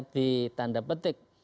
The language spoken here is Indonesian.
di tanda petik